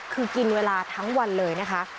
คือกินเวลาทั้งวันเลยนะคะ